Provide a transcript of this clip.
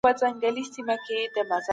علت معلوم دی.